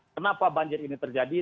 kenapa banjir ini terjadi